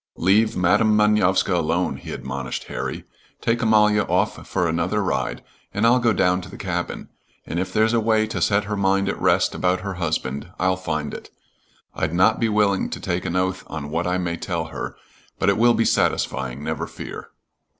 "Leave Madam Manovska alone," he admonished Harry. "Take Amalia off for another ride, and I'll go down to the cabin, and if there's a way to set her mind at rest about her husband, I'll find it. I'd not be willing to take an oath on what I may tell her, but it will be satisfying, never fear."